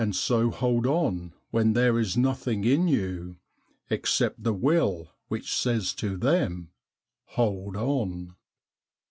And so hold on when there is nothing in you Except the Will which says to them: 'Hold on!'